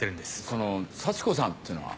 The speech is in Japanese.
その幸子さんってのは。